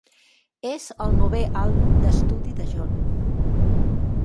És el novè àlbum d'estudi de John.